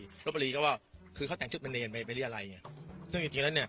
ตรับบุรีก็ว่าคือเขาแต่งชุดเมื่อเวียนไปหรืออะไร